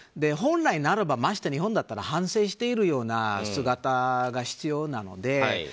本来ならばましてや日本だったら反省しているような姿が必要なので。